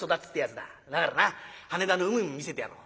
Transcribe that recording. だからな羽田の海も見せてやろう。